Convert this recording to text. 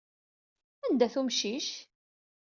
Anda-t umcic?